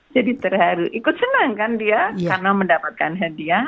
jadi terharu ikut senang kan dia karena mendapatkan hadiah